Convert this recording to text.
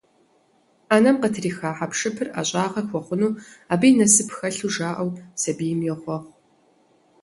Ӏэнэм къытриха хьэпшыпыр ӀэщӀагъэ хуэхъуну, абы и насып хэлъу жаӀэу, сабийм йохъуэхъу.